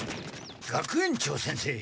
学園長先生！